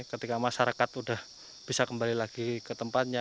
ketika masyarakat sudah bisa kembali lagi ke tempatnya